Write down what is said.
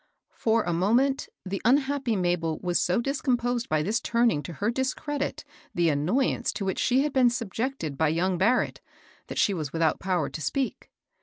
" 882 KABBL BOSS. For a moment the imliappj Mabdl wa» ^ dia composed bj this turning to her discredit the an noyance to which she had been sabjected bjjonng Barrett that she was without power to qpeak.